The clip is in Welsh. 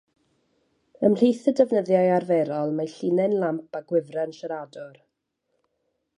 Ymhlith y defnyddiau arferol mae llinyn lamp a gwifren siaradwr.